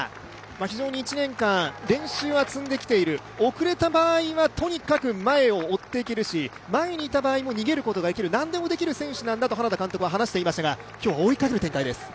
非常に１年間練習は積んできている、遅れた場合はとにかく前を追っていけるし、前にいた場合逃げることができる、何でもできる選手なんだと花田監督は話していましたが、今日は追いかける展開です。